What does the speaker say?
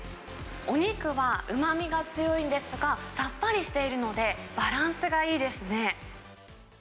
お肉はうまみが強いんですが、さっぱりしているので、バランスがいいですね。